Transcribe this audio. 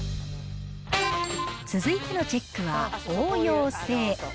続いてのチェックは応用性。